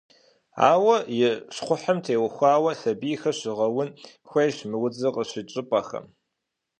Ауэ, и щхъухьым теухуауэ сабийхэр щыгъэун хуейщ мы удзыр къыщыкӏ щӏыпӏэхэм.